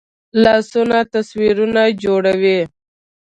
لاسونه تصویرونه جوړوي